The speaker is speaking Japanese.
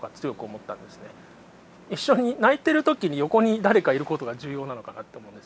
一緒に泣いてる時に横に誰かいることが重要なのかなと思うんです。